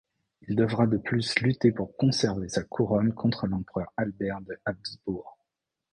Il devra de plus lutter pour conserver sa couronne contre l’empereur Albert de Habsbourg.